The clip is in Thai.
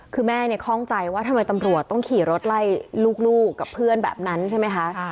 คือแม่คล่องใจว่าทำไมตำรวจต้องขี่รถไล่ลูกกับเพื่อนแบบนั้นใช่ไหมคะ